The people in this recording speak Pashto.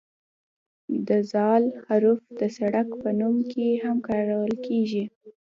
د "ذ" حرف د سړک په نوم کې هم کارول کیږي.